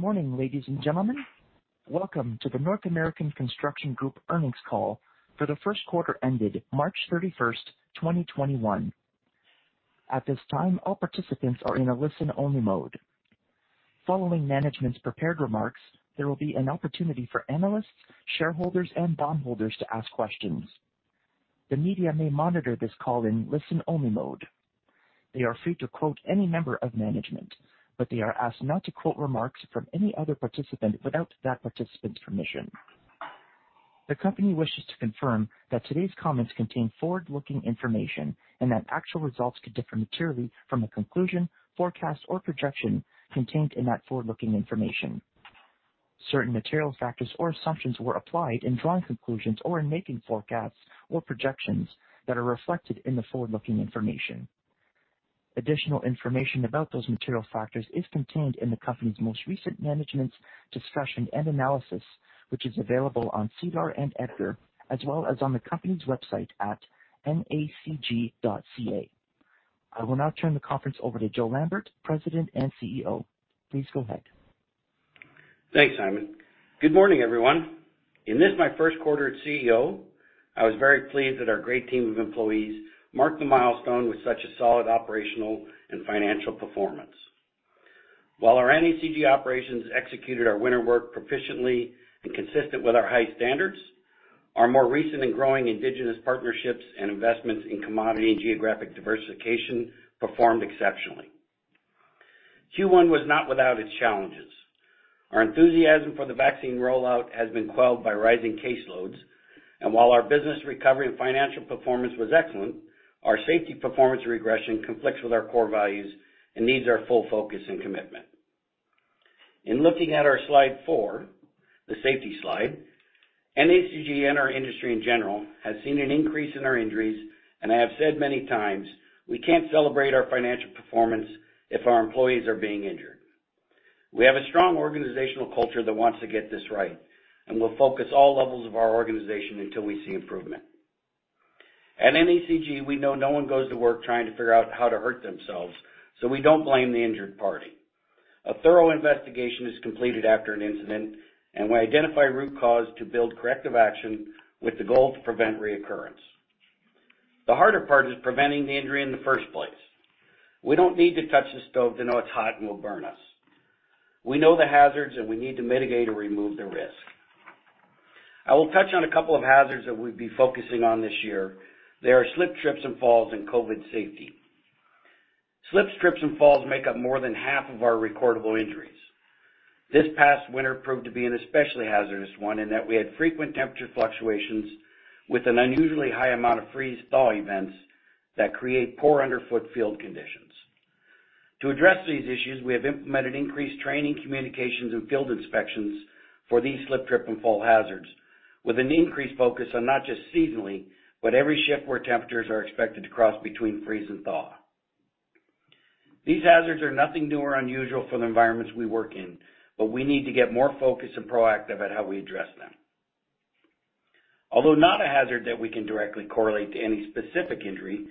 Good morning, ladies and gentlemen. Welcome to the North American Construction Group earnings call for the first quarter ended March 31st, 2021. At this time, all participants are in a listen-only mode. Following management's prepared remarks, there will be an opportunity for analysts, shareholders, and bondholders to ask questions. The media may monitor this call in listen-only mode. They are free to quote any member of management, but they are asked not to quote remarks from any other participant without that participant's permission. The company wishes to confirm that today's comments contain forward-looking information and that actual results could differ materially from the conclusion, forecast, or projection contained in that forward-looking information. Certain material factors or assumptions were applied in drawing conclusions or in making forecasts or projections that are reflected in the forward-looking information. Additional information about those material factors is contained in the company's most recent Management's Discussion and Analysis, which is available on SEDAR and EDGAR, as well as on the company's website at nacg.ca. I will now turn the conference over to Joe Lambert, President and CEO. Please go ahead. Thanks, Simon. Good morning, everyone. In this, my first quarter at CEO, I was very pleased that our great team of employees marked the milestone with such a solid operational and financial performance. While our NACG operations executed our winter work proficiently and consistent with our high standards, our more recent and growing indigenous partnerships and investments in commodity and geographic diversification performed exceptionally. Q1 was not without its challenges. Our enthusiasm for the vaccine rollout has been quelled by rising caseloads, and while our business recovery and financial performance was excellent, our safety performance regression conflicts with our core values and needs our full focus and commitment. In looking at our slide four, the safety slide, NACG and our industry in general, has seen an increase in our injuries, and I have said many times, we can't celebrate our financial performance if our employees are being injured. We have a strong organizational culture that wants to get this right, and we'll focus all levels of our organization until we see improvement. At NACG, we know no one goes to work trying to figure out how to hurt themselves, so we don't blame the injured party. A thorough investigation is completed after an incident, and we identify root cause to build corrective action with the goal to prevent reoccurrence. The harder part is preventing the injury in the first place. We don't need to touch the stove to know it's hot and will burn us. We know the hazards, and we need to mitigate or remove the risk. I will touch on a couple of hazards that we'll be focusing on this year. They are slip, trips, and falls, and COVID-19 safety. Slips, trips, and falls make up more than half of our recordable injuries. This past winter proved to be an especially hazardous one in that we had frequent temperature fluctuations with an unusually high amount of freeze-thaw events that create poor underfoot field conditions. To address these issues, we have implemented increased training, communications, and field inspections for these slip, trip, and fall hazards with an increased focus on not just seasonally, but every shift where temperatures are expected to cross between freeze and thaw. These hazards are nothing new or unusual for the environments we work in, but we need to get more focused and proactive at how we address them. Although not a hazard that we can directly correlate to any specific injury,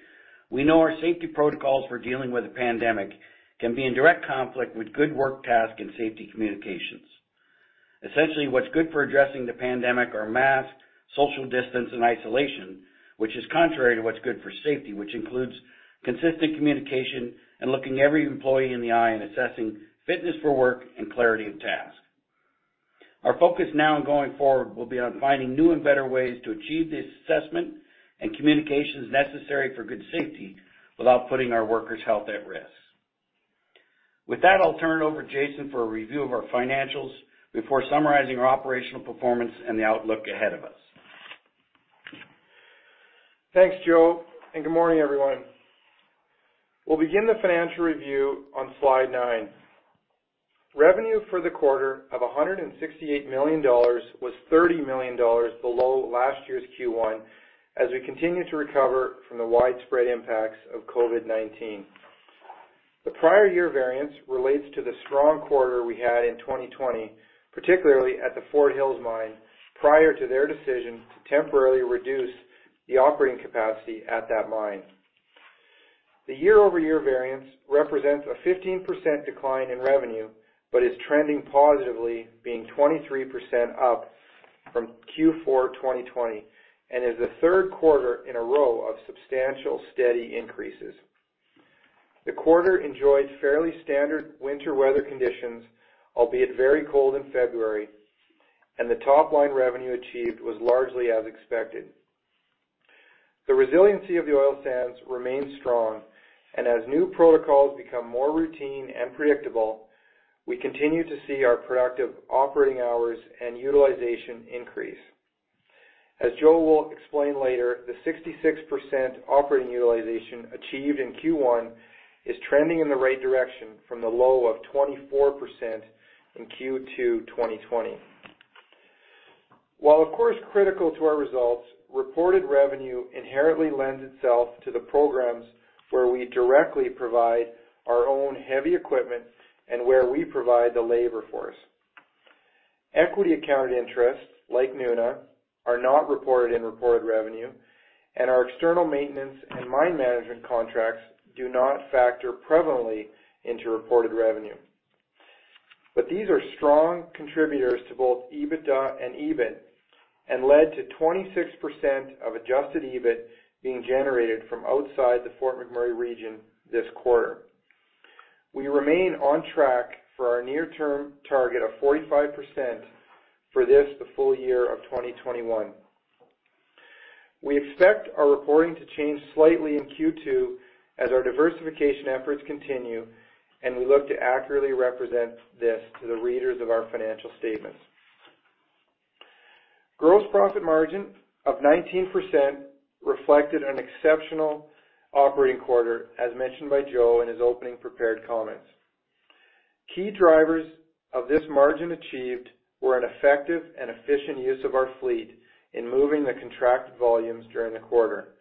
we know our safety protocols for dealing with a pandemic can be in direct conflict with good work task and safety communications. Essentially, what's good for addressing the pandemic are masks, social distance, and isolation, which is contrary to what's good for safety, which includes consistent communication and looking every employee in the eye and assessing fitness for work and clarity of task. Our focus now and going forward will be on finding new and better ways to achieve the assessment and communications necessary for good safety without putting our workers' health at risk. With that, I will turn it over to Jason for a review of our financials before summarizing our operational performance and the outlook ahead of us. Thanks, Joe. Good morning, everyone. We'll begin the financial review on slide nine. Revenue for the quarter of 168 million dollars was 30 million dollars below last year's Q1 as we continue to recover from the widespread impacts of COVID-19. The prior year variance relates to the strong quarter we had in 2020, particularly at the Fort Hills mine, prior to their decision to temporarily reduce the operating capacity at that mine. The year-over-year variance represents a 15% decline in revenue but is trending positively, being 23% up from Q4 2020 and is the third quarter in a row of substantial steady increases. The quarter enjoyed fairly standard winter weather conditions, albeit very cold in February. The top-line revenue achieved was largely as expected. The resiliency of the oil sands remains strong, and as new protocols become more routine and predictable, we continue to see our productive operating hours and utilization increase. As Joe will explain later, the 66% operating utilization achieved in Q1 is trending in the right direction from the low of 24% in Q2 2020. While of course critical to our results, reported revenue inherently lends itself to the programs where we directly provide our own heavy equipment and where we provide the labor force. Equity accounted interests like Nuna are not reported in reported revenue, and our external maintenance and mine management contracts do not factor prevalently into reported revenue. These are strong contributors to both EBITDA and EBIT and led to 26% of adjusted EBIT being generated from outside the Fort McMurray region this quarter. We remain on track for our near term target of 45% for this, the full year of 2021. We expect our reporting to change slightly in Q2 as our diversification efforts continue, and we look to accurately represent this to the readers of our financial statements. Gross profit margin of 19% reflected an exceptional operating quarter, as mentioned by Joe in his opening prepared comments. Key drivers of this margin achieved were an effective and efficient use of our fleet in moving the contract volumes during the quarter.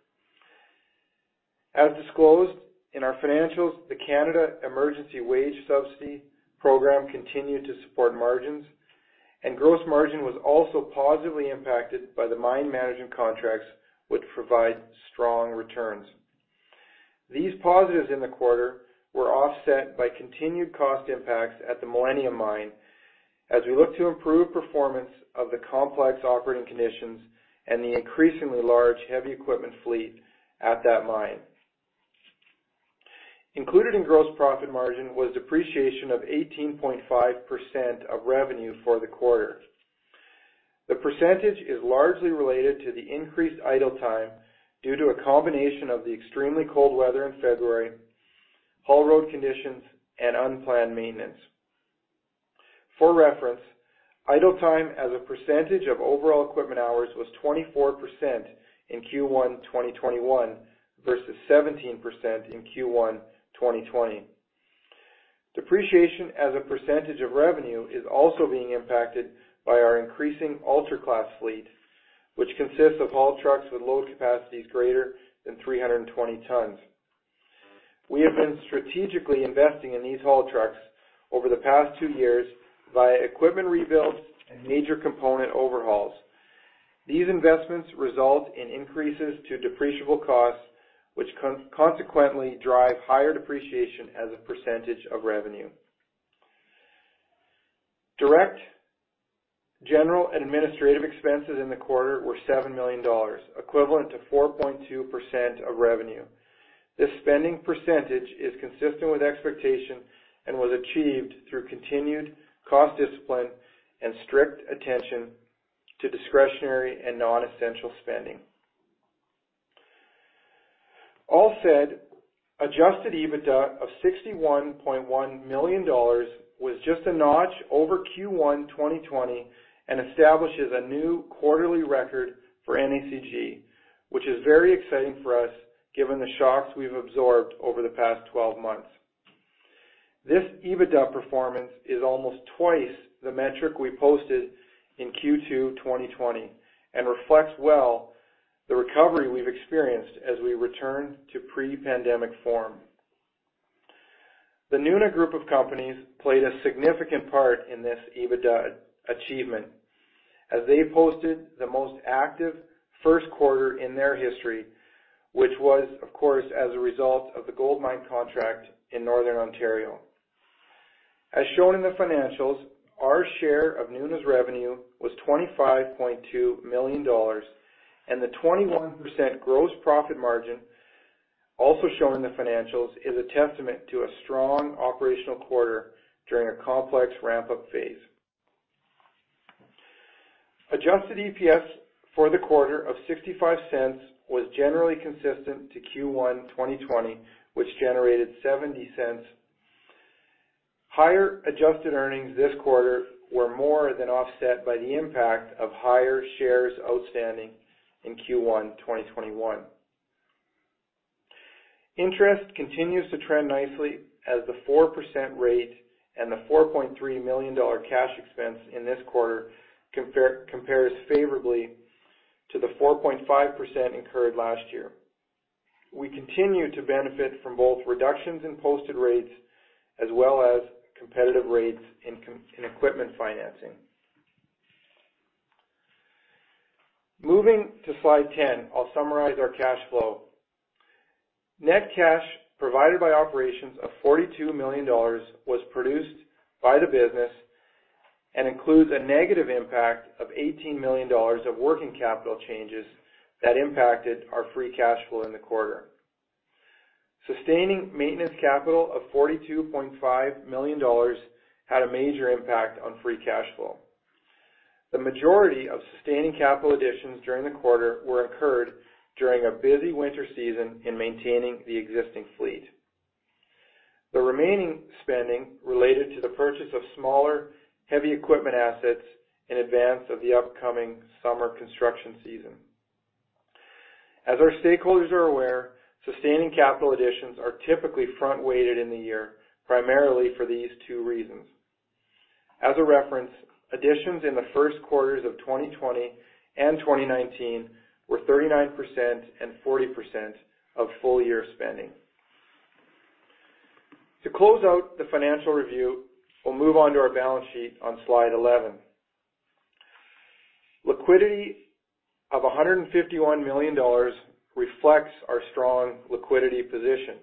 As disclosed in our financials, the Canada Emergency Wage Subsidy program continued to support margins, and gross margin was also positively impacted by the mine management contracts, which provide strong returns. These positives in the quarter were offset by continued cost impacts at the Millennium Mine as we look to improve performance of the complex operating conditions and the increasingly large heavy equipment fleet at that mine. Included in gross profit margin was depreciation of 18.5% of revenue for the quarter. The percentage is largely related to the increased idle time due to a combination of the extremely cold weather in February, haul road conditions, and unplanned maintenance. For reference, idle time as a percentage of overall equipment hours was 24% in Q1 2021 versus 17% in Q1 2020. Depreciation as a percentage of revenue is also being impacted by our increasing ultra-class fleet, which consists of haul trucks with load capacities greater than 320 tons. We have been strategically investing in these haul trucks over the past two years via equipment rebuilds and major component overhauls. These investments result in increases to depreciable costs, which consequently drive higher depreciation as a percentage of revenue. Direct general and administrative expenses in the quarter were 7 million dollars, equivalent to 4.2% of revenue. This spending percentage is consistent with expectation and was achieved through continued cost discipline and strict attention to discretionary and non-essential spending. All said, adjusted EBITDA of 61.1 million dollars was just a notch over Q1 2020 and establishes a new quarterly record for NACG, which is very exciting for us given the shocks we've absorbed over the past 12 months. This EBITDA performance is almost twice the metric we posted in Q2 2020 and reflects well the recovery we've experienced as we return to pre-pandemic form. The Nuna Group of Companies played a significant part in this EBITDA achievement as they posted the most active first quarter in their history, which was, of course, as a result of the gold mine contract in Northern Ontario. As shown in the financials, our share of Nuna's revenue was 25.2 million dollars, and the 21% gross profit margin also shown in the financials is a testament to a strong operational quarter during a complex ramp-up phase. Adjusted EPS for the quarter of 0.65 was generally consistent to Q1 2020, which generated 0.70. Higher adjusted earnings this quarter were more than offset by the impact of higher shares outstanding in Q1 2021. Interest continues to trend nicely as the 4% rate and the 4.3 million dollar cash expense in this quarter compares favorably to the 4.5% incurred last year. We continue to benefit from both reductions in posted rates as well as competitive rates in equipment financing. Moving to slide 10, I'll summarize our cash flow. Net cash provided by operations of 42 million dollars was produced by the business and includes a negative impact of 18 million dollars of working capital changes that impacted our free cash flow in the quarter. Sustaining maintenance capital of 42.5 million dollars had a major impact on free cash flow. The majority of sustaining capital additions during the quarter were incurred during a busy winter season in maintaining the existing fleet. The remaining spending related to the purchase of smaller heavy equipment assets in advance of the upcoming summer construction season. As our stakeholders are aware, sustaining capital additions are typically front-weighted in the year, primarily for these two reasons. As a reference, additions in the first quarters of 2020 and 2019 were 39% and 40% of full-year spending. To close out the financial review, we'll move on to our balance sheet on slide 11. Liquidity of 151 million dollars reflects our strong liquidity position.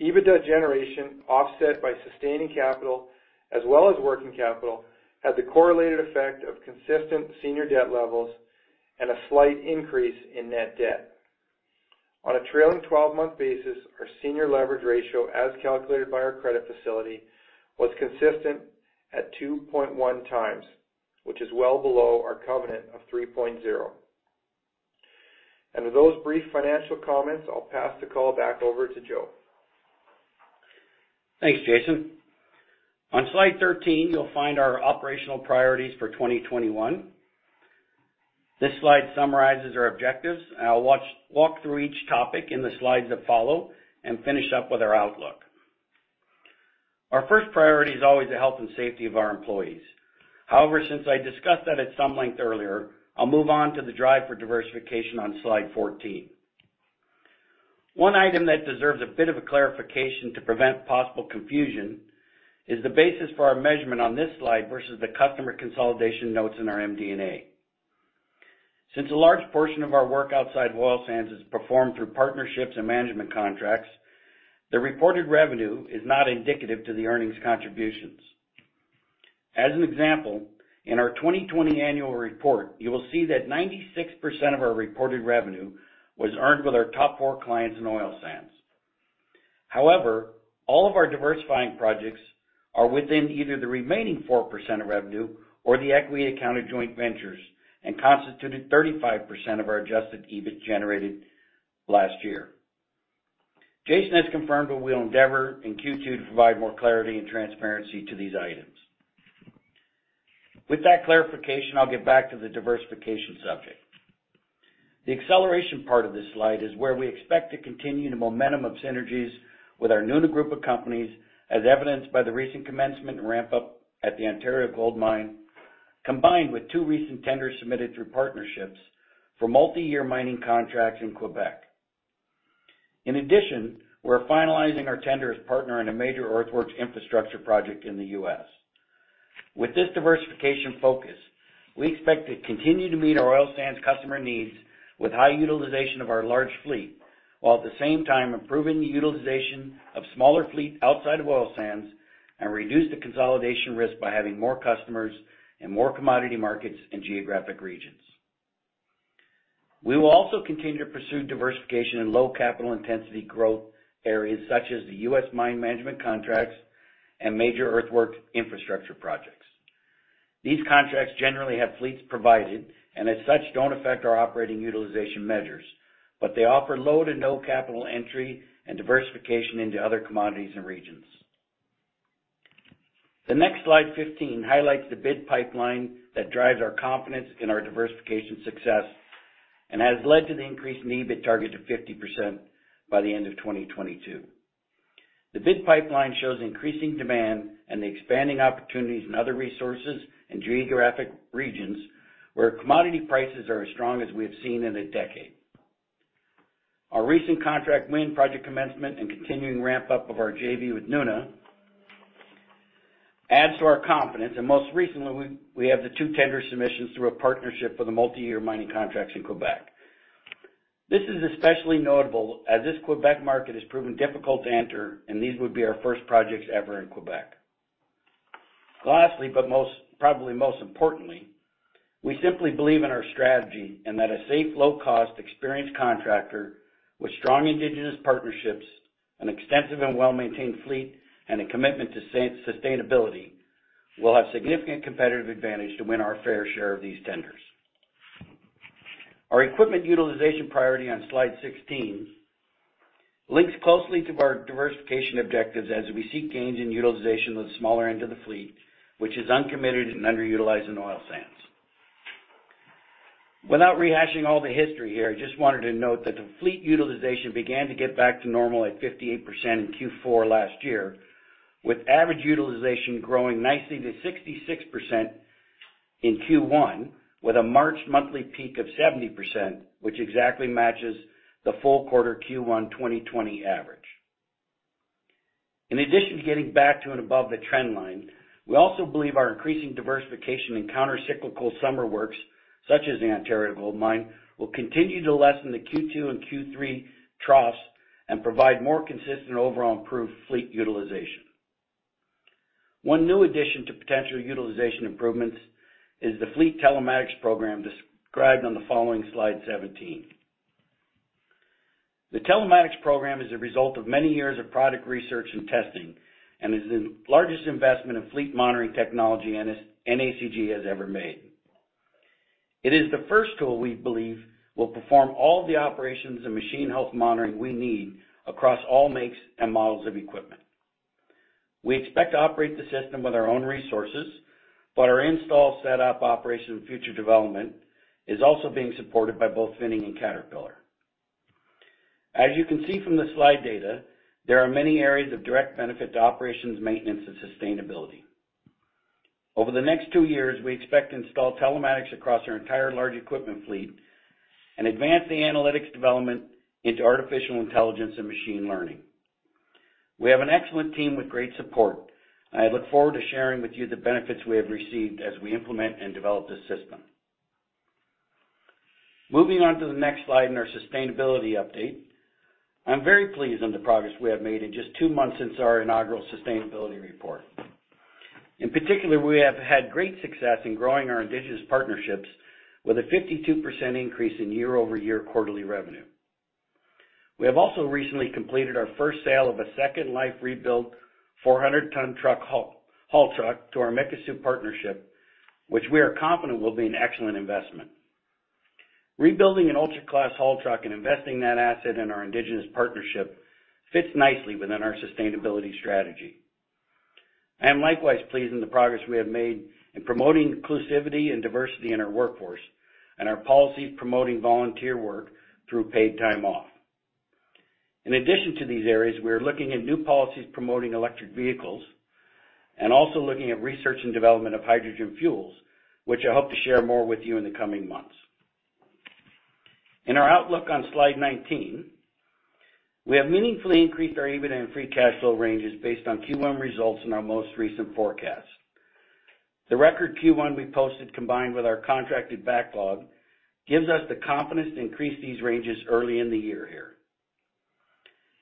EBITDA generation offset by sustaining capital as well as working capital had the correlated effect of consistent senior debt levels and a slight increase in net debt. On a trailing 12-month basis, our senior leverage ratio, as calculated by our credit facility, was consistent at 2.1x, which is well below our covenant of 3.0x. With those brief financial comments, I'll pass the call back over to Joe. Thanks, Jason. On slide 13, you'll find our operational priorities for 2021. This slide summarizes our objectives, and I'll walk through each topic in the slides that follow and finish up with our outlook. Our first priority is always the health and safety of our employees. Since I discussed that at some length earlier, I'll move on to the drive for diversification on slide 14. One item that deserves a bit of a clarification to prevent possible confusion is the basis for our measurement on this slide versus the customer consolidation notes in our MD&A. Since a large portion of our work outside oil sands is performed through partnerships and management contracts, the reported revenue is not indicative of the earnings contributions. As an example, in our 2020 annual report, you will see that 96% of our reported revenue was earned with our top four clients in oil sands. However, all of our diversifying projects are within either the remaining 4% of revenue or the equity accounted joint ventures and constituted 35% of our adjusted EBIT generated last year. Jason has confirmed that we'll endeavor in Q2 to provide more clarity and transparency to these items. With that clarification, I'll get back to the diversification subject. The acceleration part of this slide is where we expect to continue the momentum of synergies with our Nuna Group of Companies, as evidenced by the recent commencement and ramp-up at the Ontario Gold Mine, combined with two recent tenders submitted through partnerships for multi-year mining contracts in Quebec. In addition, we're finalizing our tender as partner in a major earthworks infrastructure project in the U.S. With this diversification focus, we expect to continue to meet our oil sands customer needs with high utilization of our large fleet, while at the same time improving the utilization of smaller fleet outside of oil sands and reduce the consolidation risk by having more customers in more commodity markets and geographic regions. We will also continue to pursue diversification in low capital intensity growth areas such as the U.S. mine management contracts and major earthwork infrastructure projects. These contracts generally have fleets provided, and as such, don't affect our operating utilization measures, but they offer low to no capital entry and diversification into other commodities and regions. The next slide, 15, highlights the bid pipeline that drives our confidence in our diversification success and has led to the increased EBIT target of 50% by the end of 2022. The bid pipeline shows increasing demand and the expanding opportunities in other resources and geographic regions where commodity prices are as strong as we have seen in a decade. Our recent contract win, project commencement, and continuing ramp-up of our JV with Nuna adds to our confidence. Most recently, we have the two tender submissions through a partnership for the multi-year mining contracts in Quebec. This is especially notable as this Quebec market has proven difficult to enter, and these would be our first projects ever in Quebec. Lastly, but probably most importantly, we simply believe in our strategy and that a safe, low-cost, experienced contractor with strong Indigenous partnerships, an extensive and well-maintained fleet, and a commitment to sustainability will have significant competitive advantage to win our fair share of these tenders. Our equipment utilization priority on slide 16 links closely to our diversification objectives as we seek gains in utilization of the smaller end of the fleet, which is uncommitted and underutilized in oil sands. Without rehashing all the history here, I just wanted to note that the fleet utilization began to get back to normal at 58% in Q4 last year, with average utilization growing nicely to 66% in Q1, with a March monthly peak of 70%, which exactly matches the full quarter Q1 2020 average. In addition to getting back to and above the trend line, we also believe our increasing diversification in counter-cyclical summer works, such as the Ontario Gold Mine, will continue to lessen the Q2 and Q3 troughs and provide more consistent overall improved fleet utilization. One new addition to potential utilization improvements is the fleet telematics program described on the following slide 17. The telematics program is a result of many years of product research and testing and is the largest investment in fleet monitoring technology NACG has ever made. It is the first tool we believe will perform all the operations and machine health monitoring we need across all makes and models of equipment. We expect to operate the system with our own resources, but our install, setup, operation, and future development is also being supported by both Finning and Caterpillar. As you can see from the slide data, there are many areas of direct benefit to operations, maintenance, and sustainability. Over the next two years, we expect to install telematics across our entire large equipment fleet and advance the analytics development into artificial intelligence and machine learning. We have an excellent team with great support. I look forward to sharing with you the benefits we have received as we implement and develop this system. Moving on to the next slide and our sustainability update. I am very pleased on the progress we have made in just two months since our inaugural sustainability report. In particular, we have had great success in growing our indigenous partnerships with a 52% increase in year-over-year quarterly revenue. We have also recently completed our first sale of a second-life rebuilt 400-ton haul truck to our Mikisew partnership, which we are confident will be an excellent investment. Rebuilding an ultra-class haul truck and investing that asset in our indigenous partnership fits nicely within our sustainability strategy. I am likewise pleased in the progress we have made in promoting inclusivity and diversity in our workforce, and our policies promoting volunteer work through paid time off. In addition to these areas, we are looking at new policies promoting electric vehicles, and also looking at research and development of hydrogen fuels, which I hope to share more with you in the coming months. In our outlook on slide 19, we have meaningfully increased our EBITDA and free cash flow ranges based on Q1 results and our most recent forecast. The record Q1 we posted, combined with our contracted backlog, gives us the confidence to increase these ranges early in the year here.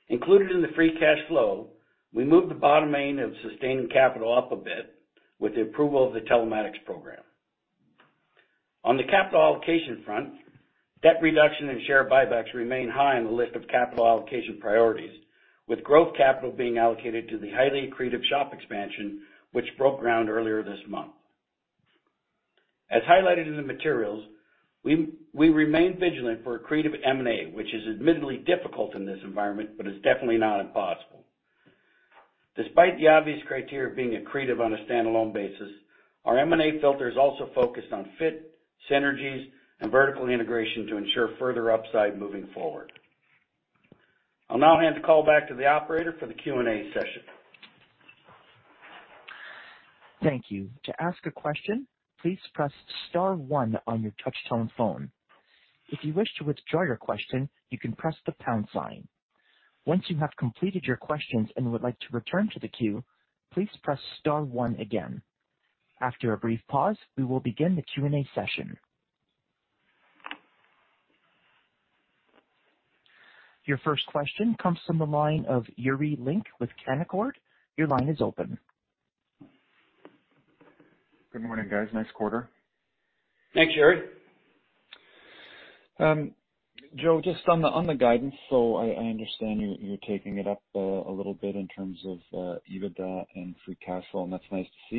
Included in the free cash flow, we moved the bottom end of sustaining capital up a bit with the approval of the telematics program. On the capital allocation front, debt reduction and share buybacks remain high on the list of capital allocation priorities, with growth capital being allocated to the highly accretive shop expansion, which broke ground earlier this month. As highlighted in the materials, we remain vigilant for accretive M&A, which is admittedly difficult in this environment, but is definitely not impossible. Despite the obvious criteria of being accretive on a standalone basis, our M&A filter is also focused on fit, synergies, and vertical integration to ensure further upside moving forward. I'll now hand the call back to the operator for the Q&A session. Thank you. To ask a question, please press star one on your touch-tone phone. If you wish to withdraw your question, you can press the pound sign. Once you have completed your questions and would like to return to the queue, please press star one again. After a brief pause, we will begin the Q&A session. Your first question comes from the line of [Yuri Lynk] with Canaccord. Your line is open. Good morning, guys. Nice quarter. Thanks, Yuri. Joe, just on the guidance, I understand you're taking it up a little bit in terms of EBITDA and free cash flow, and that's nice to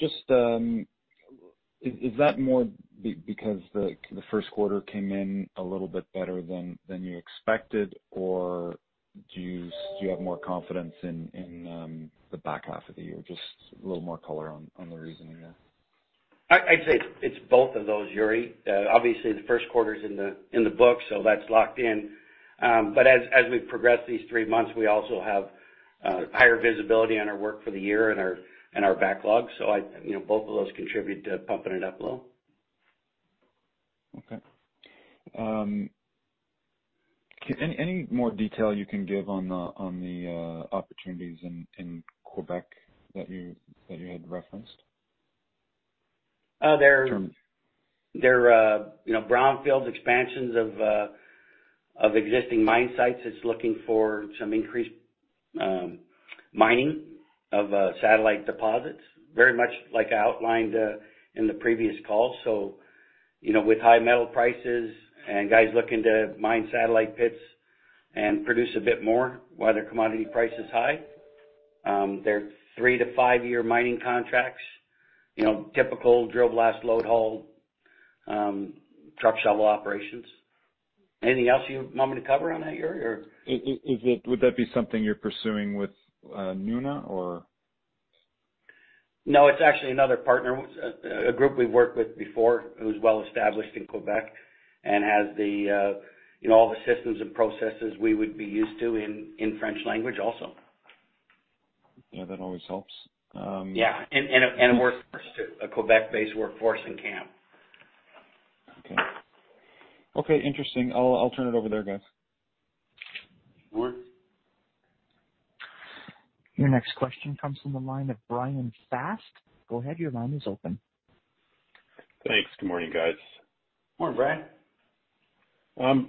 see. Is that more because the first quarter came in a little bit better than you expected, or do you have more confidence in the back half of the year? Just a little more color on the reasoning there. I'd say it's both of those, Yuri. Obviously, the first quarter's in the books, so that's locked in. As we progress these three months, we also have higher visibility on our work for the year and our backlog. Both of those contribute to pumping it up a little. Okay. Any more detail you can give on the opportunities in Quebec that you had referenced? They're brownfields expansions of existing mine sites that's looking for some increased mining of satellite deposits, very much like I outlined in the previous call. With high metal prices and guys looking to mine satellite pits and produce a bit more while their commodity price is high. They're three-to-five-year mining contracts. Typical drill, blast, load, haul, truck, shovel operations. Anything else you want me to cover on that, Yuri? Would that be something you're pursuing with Nuna, or? No, it's actually another partner, a group we've worked with before who's well-established in Quebec and has all the systems and processes we would be used to in French language also. Yeah, that always helps. Yeah. A workforce too, a Quebec-based workforce and camp. Okay. Okay, interesting. I'll turn it over there, guys. Sure. Your next question comes from the line of [Bryan Fast]. Go ahead, your line is open. Thanks. Good morning, guys. Morning, Brian.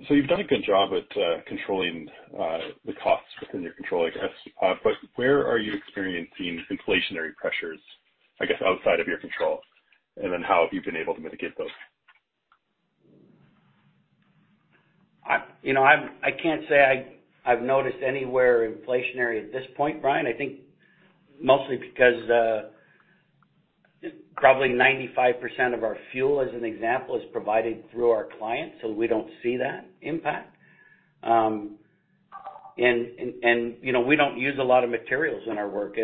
You've done a good job at controlling the costs within your control. Where are you experiencing inflationary pressures outside of your control? How have you been able to mitigate those? I can't say I've noticed anywhere inflationary at this point, Brian. I think mostly because probably 95% of our fuel, as an example, is provided through our clients, so we don't see that impact. We don't use a lot of materials in our work.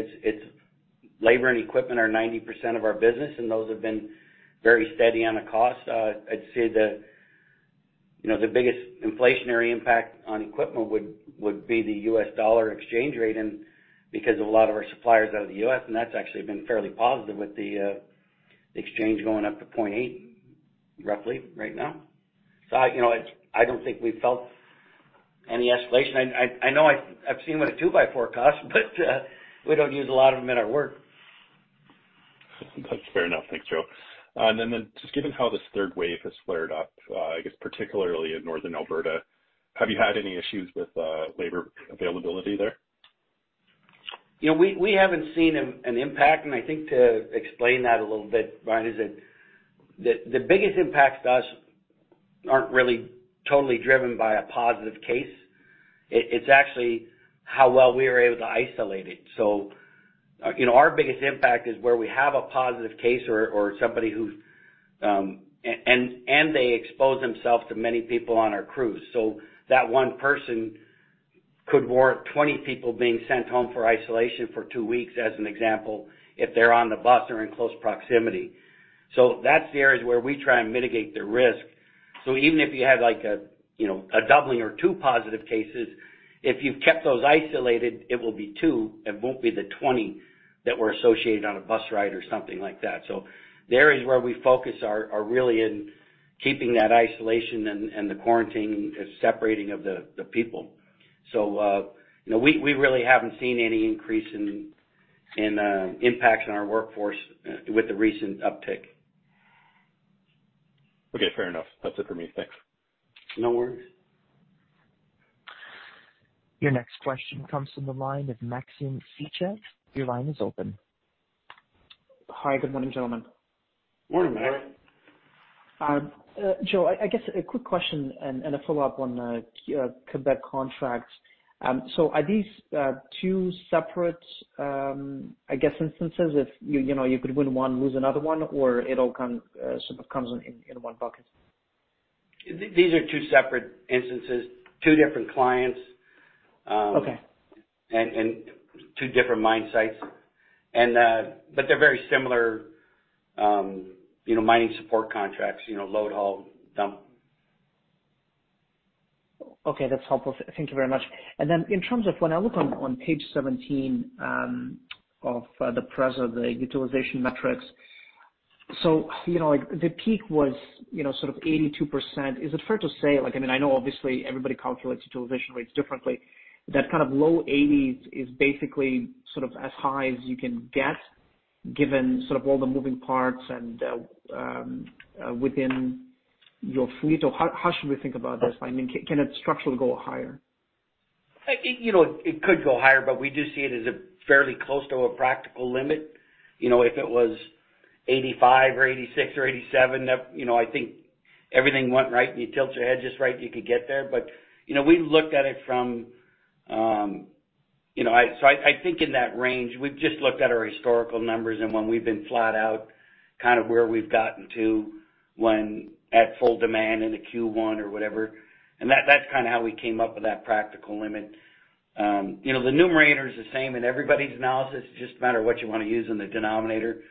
Labor and equipment are 90% of our business, and those have been very steady on the cost. I'd say the biggest inflationary impact on equipment would be the US dollar exchange rate, and because a lot of our suppliers are out of the U.S., and that's actually been fairly positive with the exchange going up to $0.8, roughly, right now. I don't think we felt any escalation. I know I've seen what a two-by-four costs, but we don't use a lot of them in our work. That's fair enough. Thanks, Joe. Then just given how this third wave has flared up, I guess particularly in Northern Alberta, have you had any issues with labor availability there? We haven't seen an impact, I think to explain that a little bit, Brian, is that the biggest impacts to us aren't really totally driven by a positive case. It's actually how well we are able to isolate it. Our biggest impact is where we have a positive case or somebody who they expose themselves to many people on our crews. That one person could warrant 20 people being sent home for isolation for two weeks, as an example, if they're on the bus or in close proximity. That's the areas where we try and mitigate the risk. Even if you have a doubling or two positive cases, if you've kept those isolated, it will be two, it won't be the 20 people that were associated on a bus ride or something like that. The areas where we focus are really in keeping that isolation and the quarantining, separating of the people. We really haven't seen any increase in impacts on our workforce with the recent uptick. Okay. Fair enough. That's it for me. Thanks. No worries. Your next question comes from the line of Maxim Sytchev. Your line is open. Hi, good morning, gentlemen. Morning, Maxim. Joe, I guess a quick question and a follow-up on the Quebec contract. Are these two separate instances, if you could win one, lose another one, or it all sort of comes in one bucket? These are two separate instances, two different clients. Okay. Two different mine sites. They're very similar mining support contracts, load, haul, dump. Okay, that's helpful. Thank you very much. Then in terms of when I look on page 17 of the presentation, the utilization metrics. The peak was sort of 82%. Is it fair to say, I know obviously everybody calculates utilization rates differently, that kind of low 80%s is basically sort of as high as you can get given all the moving parts and within your fleet? How should we think about this? Can it structurally go higher? It could go higher, but we do see it as a fairly close to a practical limit. If it was 85% or 86% or 87%, I think everything went right, and you tilt your head just right, you could get there. We've looked at it from that range, we've just looked at our historical numbers and when we've been flat out, kind of where we've gotten to when at full demand into Q1 or whatever. That's kind of how we came up with that practical limit. The numerator is the same in everybody's analysis. It's just a matter of what you want to use in the denominator.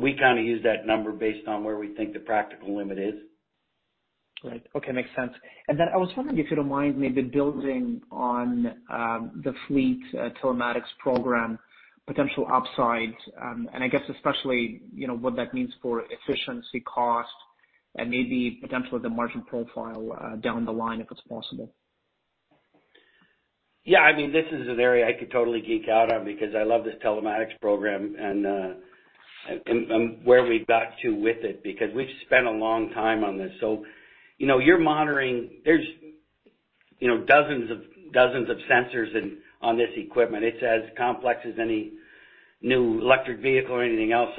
We kind of use that number based on where we think the practical limit is. Right. Okay. Makes sense. I was wondering if you don't mind maybe building on the fleet telematics program potential upsides, and I guess especially, what that means for efficiency cost and maybe potentially the margin profile down the line, if it's possible. Yeah, this is an area I could totally geek out on because I love this telematics program and where we've got to with it, because we've spent a long time on this. You're monitoring There's dozens of sensors on this equipment. It's as complex as any new electric vehicle or anything else.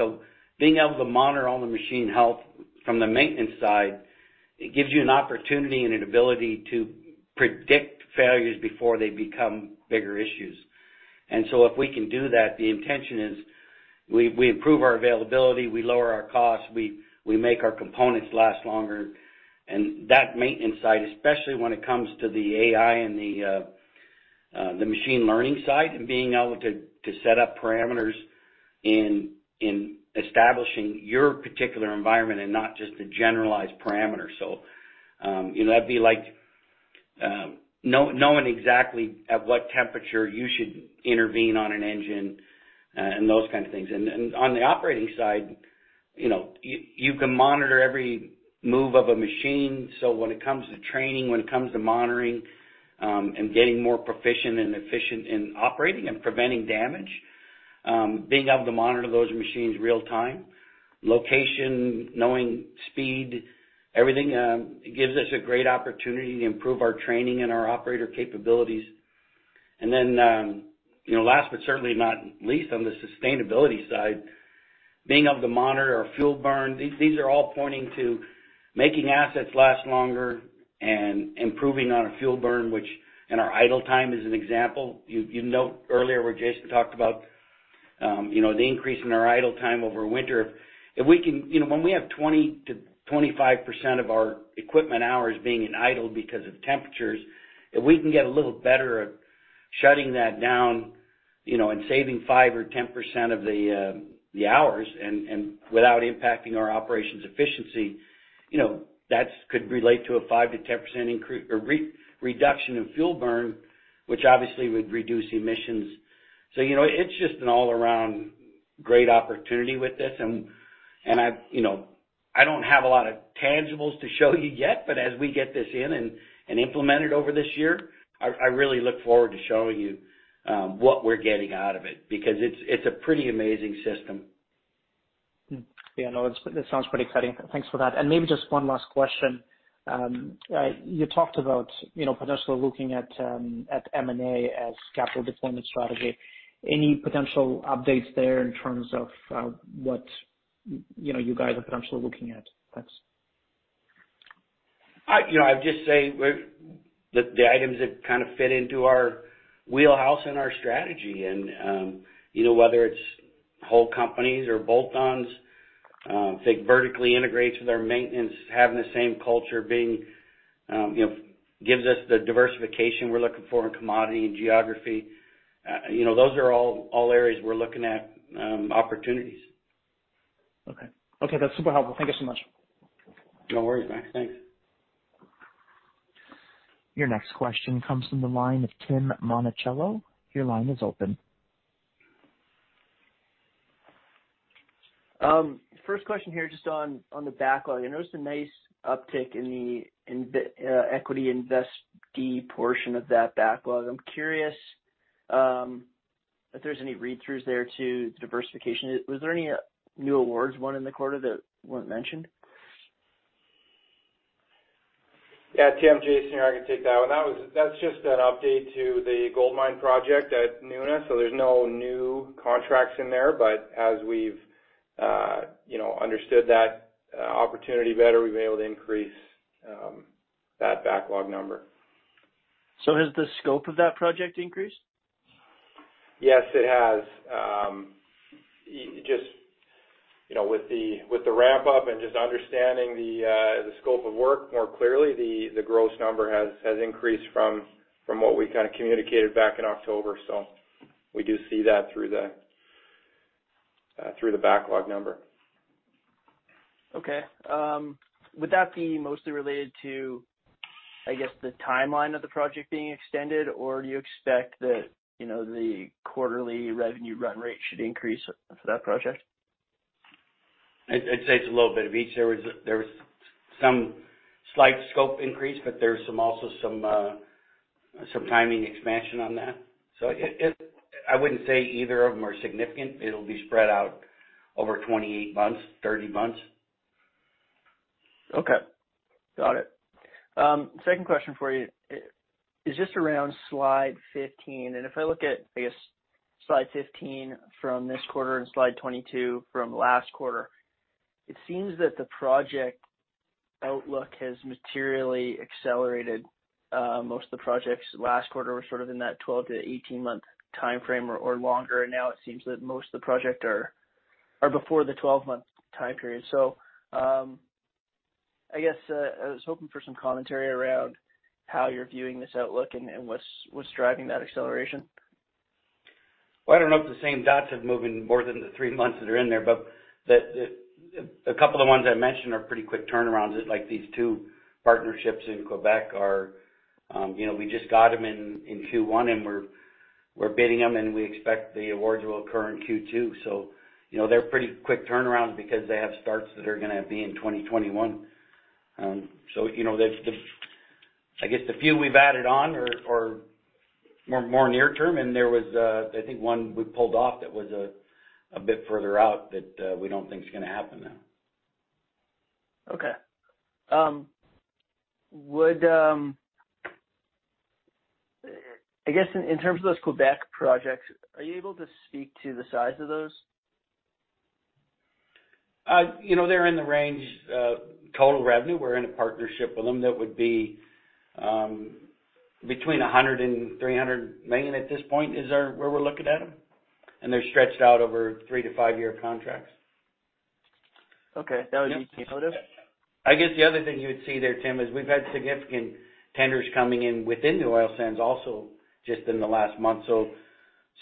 Being able to monitor all the machine health from the maintenance side, it gives you an opportunity and an ability to predict failures before they become bigger issues. If we can do that, the intention is we improve our availability, we lower our costs, we make our components last longer. That maintenance side, especially when it comes to the AI and the machine learning side, and being able to set up parameters in establishing your particular environment and not just a generalized parameter. That'd be like knowing exactly at what temperature you should intervene on an engine, and those kinds of things. On the operating side, you can monitor every move of a machine. When it comes to training, when it comes to monitoring, and getting more proficient and efficient in operating and preventing damage, being able to monitor those machines real time, location, knowing speed, everything, it gives us a great opportunity to improve our training and our operator capabilities. Last but certainly not least on the sustainability side, being able to monitor our fuel burn. These are all pointing to making assets last longer and improving on our fuel burn. Our idle time is an example. You note earlier where Jason talked about the increase in our idle time over winter. When we have 20%-25% of our equipment hours being in idle because of temperatures, if we can get a little better at shutting that down. Saving 5% or 10% of the hours, without impacting our operations efficiency, that could relate to a 5%-10% reduction in fuel burn, which obviously would reduce emissions. It's just an all-around great opportunity with this. I don't have a lot of tangibles to show you yet, as we get this in and implemented over this year, I really look forward to showing you what we're getting out of it, because it's a pretty amazing system. Yeah, no, this sounds pretty exciting. Thanks for that. Maybe just one last question. You talked about potentially looking at M&A as capital deployment strategy. Any potential updates there in terms of what you guys are potentially looking at? Thanks. I'd just say, the items that kind of fit into our wheelhouse and our strategy, and whether it's whole companies or bolt-ons, if it vertically integrates with our maintenance, having the same culture, gives us the diversification we're looking for in commodity and geography. Those are all areas we're looking at, opportunities. Okay. That's super helpful. Thank you so much. No worries, Max. Thanks. Your next question comes from the line of Tim Monachello. Your line is open. First question here, just on the backlog. I noticed a nice uptick in the equity investee portion of that backlog. I'm curious if there's any read-throughs there to the diversification. Was there any new awards won in the quarter that weren't mentioned? Yeah, Tim, Jason here, I can take that one. That's just an update to the goldmine project at Nuna, so there's no new contracts in there. As we've understood that opportunity better, we've been able to increase that backlog number. Has the scope of that project increased? Yes, it has. Just with the ramp-up and just understanding the scope of work more clearly, the gross number has increased from what we kind of communicated back in October. We do see that through the backlog number. Okay. Would that be mostly related to, I guess, the timeline of the project being extended, or do you expect that the quarterly revenue run rate should increase for that project? I'd say it's a little bit of each. There was some slight scope increase. There was also some timing expansion on that. I wouldn't say either of them are significant. It'll be spread out over 28 months, 30 months. Okay. Got it. Second question for you is just around slide 15. If I look at, I guess, slide 15 from this quarter and slide 22 from last quarter, it seems that the project outlook has materially accelerated. Most of the projects last quarter were sort of in that 12 to 18-month timeframe or longer, and now it seems that most of the projects are before the 12-month time period. I guess, I was hoping for some commentary around how you're viewing this outlook and what's driving that acceleration. Well, I don't know if the same dots have moved more than the three months that are in there, but a couple of the ones I mentioned are pretty quick turnarounds, like these two partnerships in Quebec are. We just got them in Q1, and we're bidding them, and we expect the awards will occur in Q2. They're pretty quick turnarounds because they have starts that are going to be in 2021. I guess the few we've added on are more near term, and there was, I think, one we pulled off that was a bit further out that we don't think is going to happen now. Okay. I guess, in terms of those Quebec projects, are you able to speak to the size of those? They're in the range of total revenue. We're in a partnership with them that would be between 100 million and 300 million at this point, is where we're looking at them. They're stretched out over three to five-year contracts. Okay. That would be cumulative? I guess the other thing you would see there, Tim, is we've had significant tenders coming in within the oil sands also just in the last month.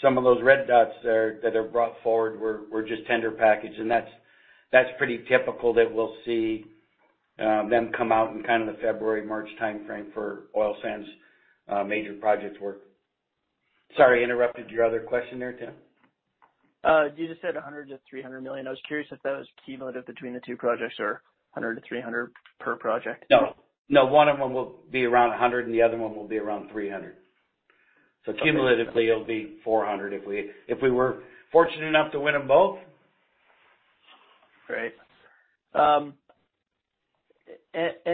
Some of those red dots that are brought forward were just tender package, and that's pretty typical that we'll see them come out in kind of the February, March timeframe for oil sands major projects work. Sorry, I interrupted your other question there, Tim. You just said 100 million-300 million. I was curious if that was cumulative between the two projects or 100 million-300 million per project. No. One of them will be around 100, and the other one will be around 300. Cumulatively, it'll be 400 if we were fortunate enough to win them both. Great.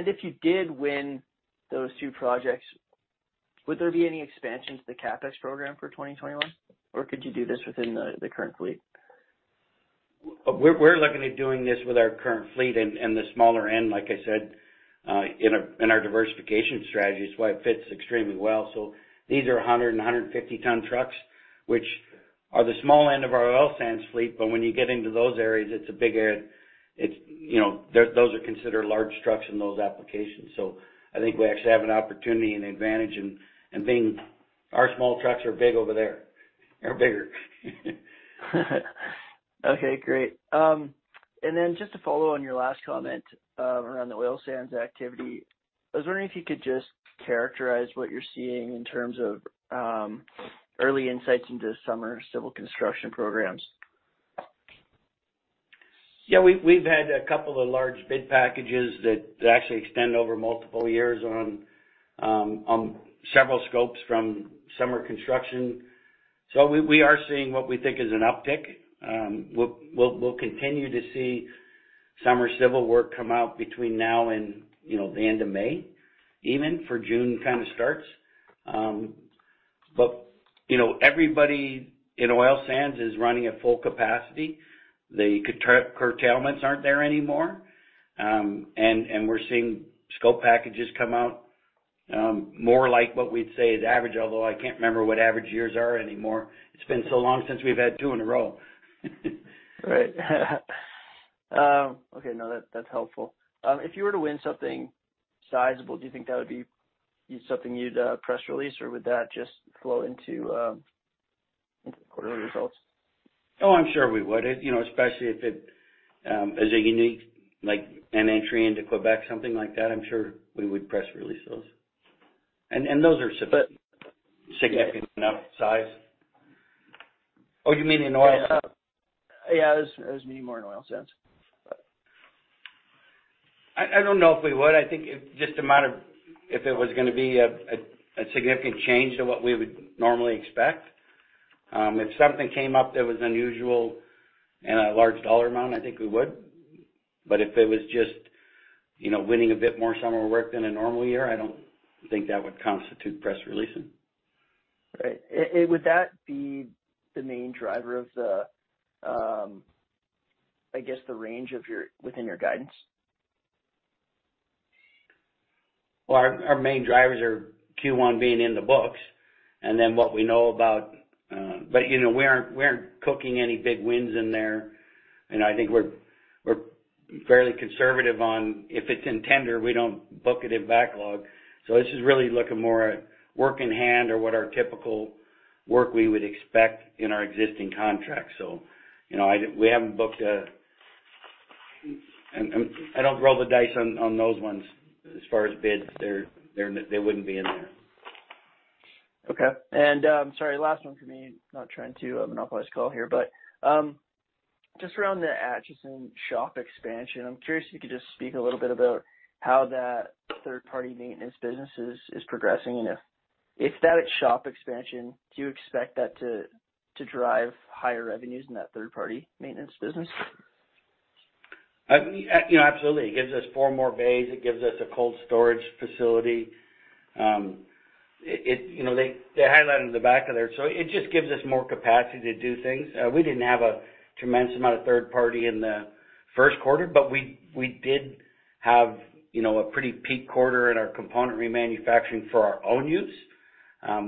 If you did win those two projects, would there be any expansion to the CapEx program for 2021, or could you do this within the current fleet? We're looking at doing this with our current fleet and the smaller end, like I said, in our diversification strategy. It's why it fits extremely well. These are 100 tons and 150 ton trucks, which are the small end of our oil sands fleet. When you get into those areas, those are considered large trucks in those applications. I think we actually have an opportunity and advantage in being Our small trucks are big over there. They're bigger. Okay, great. Just to follow on your last comment around the oil sands activity, I was wondering if you could just characterize what you're seeing in terms of early insights into summer civil construction programs? Yeah, we've had a couple of large bid packages that actually extend over multiple years on several scopes from summer construction. We are seeing what we think is an uptick. We'll continue to see summer civil work come out between now and the end of May, even for June kind of starts. Everybody in oil sands is running at full capacity. The curtailments aren't there anymore. We're seeing scope packages come out more like what we'd say is average, although I can't remember what average years are anymore. It's been so long since we've had two in a row. Right. Okay, no, that's helpful. If you were to win something sizable, do you think that would be something you'd press release, or would that just flow into quarterly results? Oh, I'm sure we would, especially if it is a unique, like an entry into Quebec, something like that. I'm sure we would press release those. Those are significant enough size. Oh, you mean in oil sands? I was meaning more in oil sands. I don't know if we would. I think it's just a matter of if it was going to be a significant change to what we would normally expect. If something came up that was unusual and a large Canadian dollar amount, I think we would. If it was just winning a bit more summer work than a normal year, I don't think that would constitute press releasing. Right. Would that be the main driver of the range within your guidance? Our main drivers are Q1 being in the books and then what we know about. We aren't cooking any big wins in there, and I think we're fairly conservative on if it's in tender, we don't book it in backlog. This is really looking more at work in hand or what our typical work we would expect in our existing contracts. We haven't. I don't roll the dice on those ones as far as bids. They wouldn't be in there. Okay. Sorry, last one for me. Not trying to monopolize the call here, but just around the Acheson shop expansion, I'm curious if you could just speak a little bit about how that third-party maintenance business is progressing, and if that shop expansion, do you expect that to drive higher revenues in that third-party maintenance business? Absolutely. It gives us four more bays. It gives us a cold storage facility. They highlighted at the back of there. It just gives us more capacity to do things. We didn't have a tremendous amount of third party in the first quarter, but we did have a pretty peak quarter in our component remanufacturing for our own use,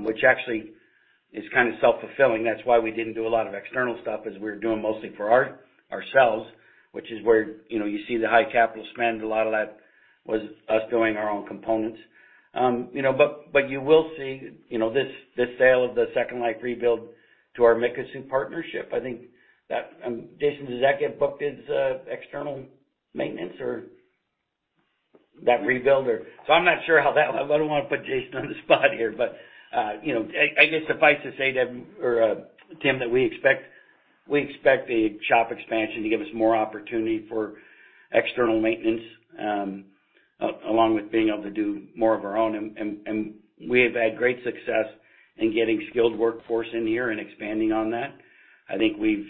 which actually is kind of self-fulfilling. That's why we didn't do a lot of external stuff, is we were doing mostly for ourselves, which is where you see the high capital spend. A lot of that was us doing our own components. You will see this sale of the second-life rebuild to our Mikisew partnership. I think that, Jason, does that get booked as external maintenance or that rebuild or? I'm not sure how that I don't want to put Jason on the spot here, but I guess suffice to say, Tim, that we expect the shop expansion to give us more opportunity for external maintenance, along with being able to do more of our own. We have had great success in getting skilled workforce in here and expanding on that. I think we've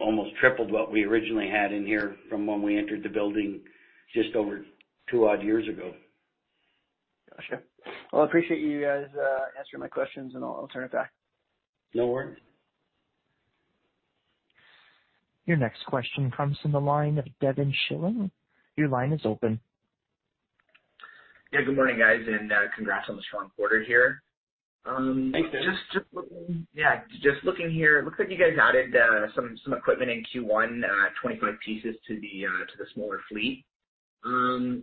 almost tripled what we originally had in here from when we entered the building just over two odd years ago. Got you. Well, I appreciate you guys answering my questions, and I'll turn it back. No worries. Your next question comes from the line of Devin Schilling. Your line is open. Yeah, good morning, guys, and congrats on the strong quarter here. Thanks, Devin. Just looking here, looks like you guys added some equipment in Q1, 25 pieces to the smaller fleet.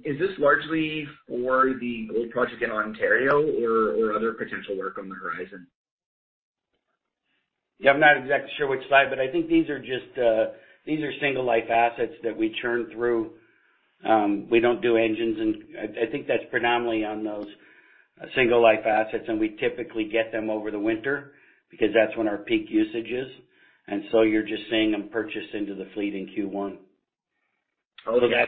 Is this largely for the gold project in Ontario or other potential work on the horizon? Yeah, I'm not exactly sure which slide, I think these are single life assets that we churn through. We don't do engines, I think that's predominantly on those single life assets, we typically get them over the winter because that's when our peak usage is. You're just seeing them purchase into the fleet in Q1. Oh, okay.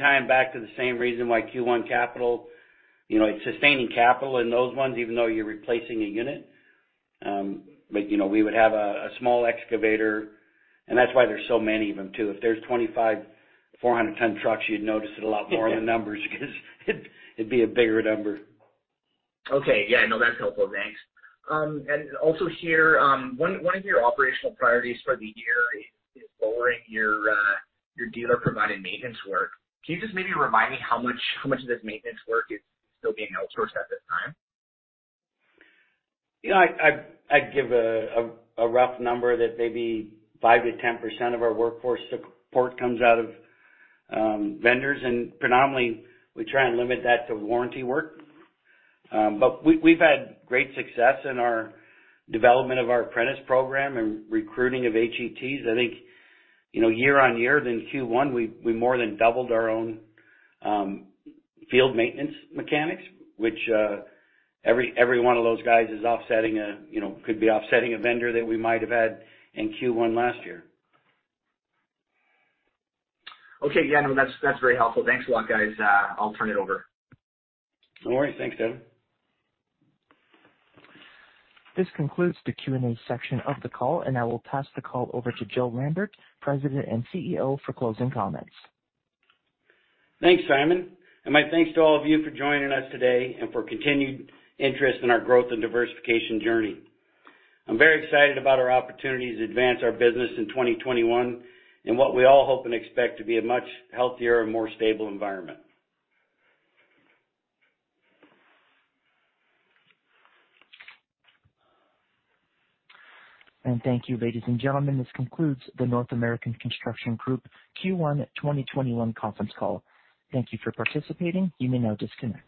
Tying back to the same reason why Q1 capital, it's sustaining capital in those ones, even though you're replacing a unit. We would have a small excavator, and that's why there's so many of them, too. If there's 25 410 P-Tier, you'd notice it a lot more in the numbers because it'd be a bigger number. Okay. Yeah, no, that's helpful. Thanks. Also here, one of your operational priorities for the year is lowering your dealer-provided maintenance work. Can you just maybe remind me how much of this maintenance work is still being outsourced at this time? I'd give a rough number that maybe 5%-10% of our workforce support comes out of vendors, and predominantly, we try and limit that to warranty work. We've had great success in our development of our apprentice program and recruiting of HETs. I think year-on-year, then Q1, we more than doubled our own field maintenance mechanics, which every one of those guys could be offsetting a vendor that we might have had in Q1 last year. Okay. Yeah, no, that's very helpful. Thanks a lot, guys. I'll turn it over. No worries. Thanks, Devin. This concludes the Q&A section of the call, and I will pass the call over to Joe Lambert, President and CEO, for closing comments. Thanks, Simon. My thanks to all of you for joining us today and for continued interest in our growth and diversification journey. I’m very excited about our opportunity to advance our business in 2021, in what we all hope and expect to be a much healthier and more stable environment. Thank you, ladies and gentlemen. This concludes the North American Construction Group Q1 2021 conference call. Thank you for participating. You may now disconnect.